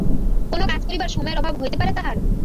কোন কাজ করিবার সময়ের অভাব হইতে পারে তাহার?